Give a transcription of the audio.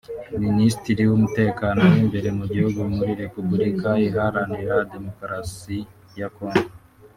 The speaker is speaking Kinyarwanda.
Ministiri w’Umutekano w’imbere mu gihugu muri Repubulika Iharanira Demkorasi ya Kongo